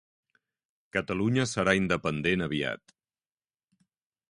Catalunya serà independent aviat.